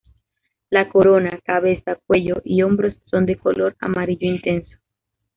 La corona, cabeza, cuello y hombros son de color amarillo intenso.